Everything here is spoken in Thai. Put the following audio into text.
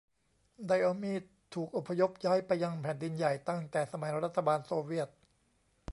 ไดออมีด ถูกอพยพย้ายไปยังแผ่นดินใหญ่ตั้งแต่สมัยรัฐบาลโซเวียต